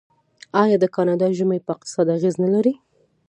آیا د کاناډا ژمی په اقتصاد اغیز نلري؟